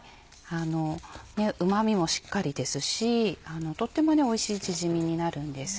うま味もしっかりですしとってもおいしいチヂミになるんです。